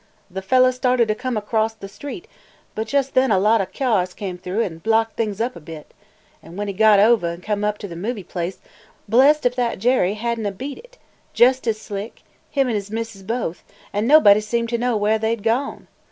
The fellah started to come acrost the street, but jes' then a lot o' cyars came through an' blocked things up a bit, and when he got ovah an' come up to the movie place, blest if that Jerry had n't beat it, jes' as slick, him an' his missis both; an' nobody seemed to know where they 'd gone.